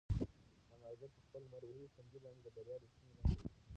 انارګل په خپل لمر وهلي تندي باندې د بریا رښتینې نښه ولیده.